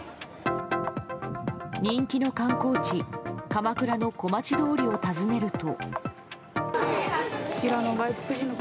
人気の観光地・鎌倉の小町通りを訪ねると。